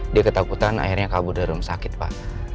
dia ketakutan akhirnya kabur dari rumah sakit pak